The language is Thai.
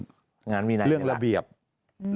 แต่ได้ยินจากคนอื่นแต่ได้ยินจากคนอื่น